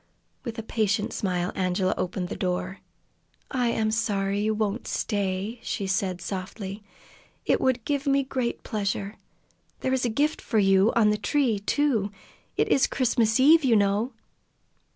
With a patient smile Angela opened the door. "I am sorry you will not stay," she said softly. "It would give me great pleasure. There is a gift for you on the tree, too. It is Christmas Eve, you know!"